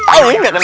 oh ini gak kenal